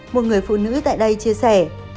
một người phụ nữ tại đây chia sẻ